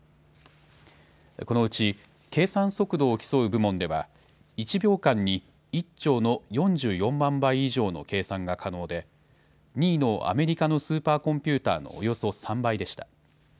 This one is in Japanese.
このうち計算速度を競う部門では１秒間に１兆の４４万倍以上の計算が可能で２位のアメリカのスーパーコンピューターのおよそ３倍でした。